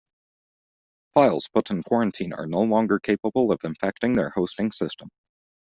Files put in quarantine are no longer capable of infecting their hosting system.